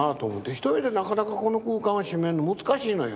一人でなかなかこの空間を占めるの難しいのよ。